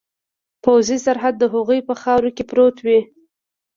پوځي سرحد د هغوی په خاوره کې پروت وي.